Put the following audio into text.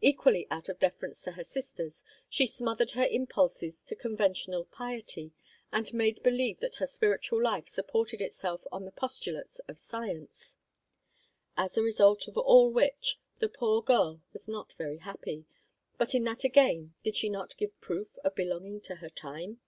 Equally out of deference to her sisters, she smothered her impulses to conventional piety, and made believe that her spiritual life supported itself on the postulates of science. As a result of all which, the poor girl was not very happy, but in that again did she not give proof of belonging to her time?